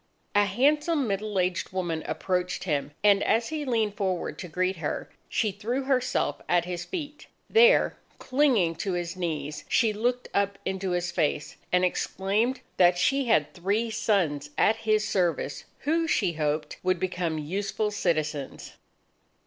A handsome middle aged woman approached him, and as he leaned forward to greet her, she threw herself at his feet. There, clinging to his knees, she looked up into his face, and exclaimed that she had three sons at his service, who, she hoped, would become useful citizens.